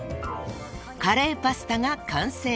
［カレーパスタが完成］